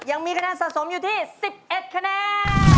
ยังมีคะแนนสะสมอยู่ที่๑๑คะแนน